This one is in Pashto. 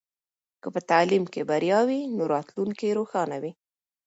که په تعلیم کې بریا وي نو راتلونکی روښانه وي.